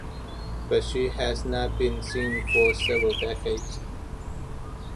But she has not been seen for several decades.